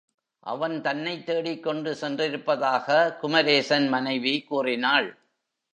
அவன் தன்னைத் தேடிக்கொண்டு சென்றிருப்பதாக குமரேசன் மனைவி கூறினாள்.